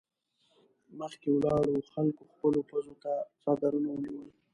مخکې ولاړو خلکو خپلو پزو ته څادرونه ونيول.